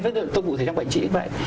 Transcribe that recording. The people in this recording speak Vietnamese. cho nên tôi cũng thấy trong bệnh trị như vậy